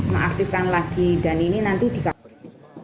mengaktifkan lagi dan ini nanti dikaburin